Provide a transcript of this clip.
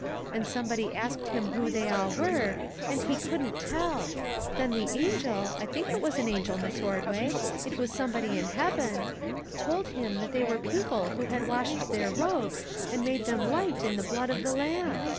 And some body asked him who they all were, and he couldn't tell ; then the angel I think it was an angel, Miss Ordway ; it was somebody in heaven told him that they were people who had washed their robes and made them white in the blood of the Lamb.